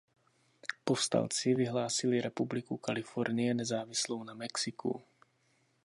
Povstalci vyhlásili republiku Kalifornie nezávislou na Mexiku.